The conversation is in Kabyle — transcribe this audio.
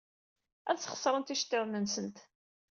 Ad sxeṣrent iceḍḍiḍen-nsent.